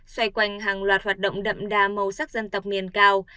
xoay quanh hàng loạt hoạt động đậm đà màu sắc dân tộc miền cao